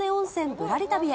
ぶらり旅へ。